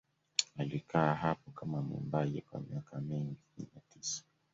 Alikaa hapo kama mwimbaji kwa miaka mingine tisa.